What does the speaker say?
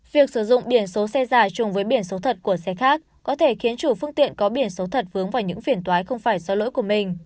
việc sử dụng biển số xe giả chung với biển số thật của xe khác có thể khiến chủ phương tiện có biển số thật vướng vào những phiền toái không phải sau lỗi của mình